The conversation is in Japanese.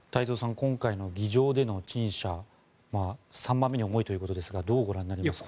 今回の議場での陳謝３番目に重いということですがどうご覧になりますか？